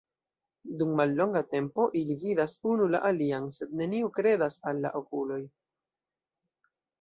Dum mallonga tempo ili vidas unu la alian, sed neniu kredas al la okuloj.